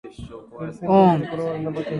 おーん